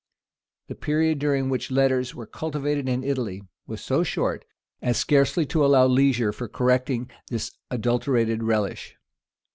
The period during which letters were cultivated in Italy was so short, as scarcely to allow leisure for correcting this adulterated relish.